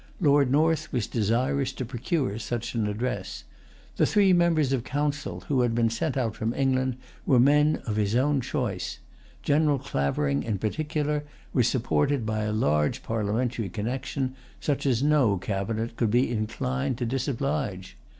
Lord North was desirous to procure such an address. The three members of Council who had been sent out from England were men of his own choice. General Clavering, in particular, was supported by a large parliamentary connection, such as no cabinet could be inclined to disoblige.